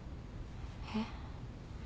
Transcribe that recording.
えっ？